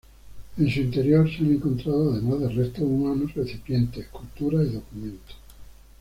En su interior se han encontrado, además de restos humanos, recipientes esculturas y documentos.